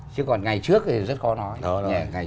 chứ còn ngày trước thì